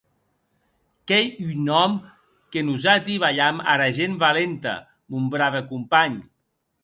Qu’ei un nòm que nosati balham ara gent valenta, mon brave companh.